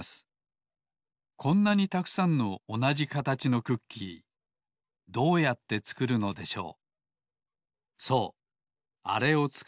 こんなにたくさんのおなじかたちのクッキーどうやってつくるのでしょう。